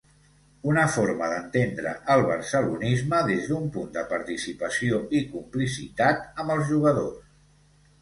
Una forma d'entendre el barcelonisme des d'un punt de participació i complicitat amb els jugadors.